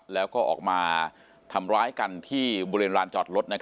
แล้วก็ออกมาทำร้ายกันที่บริเวณลานจอดรถ